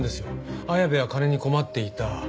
綾部は金に困っていた。